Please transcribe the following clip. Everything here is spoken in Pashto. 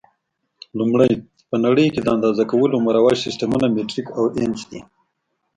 لومړی: په نړۍ کې د اندازه کولو مروج سیسټمونه مټریک او انچ دي.